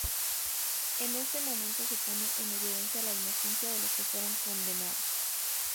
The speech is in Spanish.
En ese momento se pone en evidencia la inocencia de los que fueron condenados.